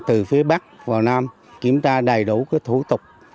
từ phía bắc vào nam kiểm tra đầy đủ thủ tục